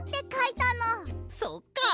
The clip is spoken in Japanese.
そっか！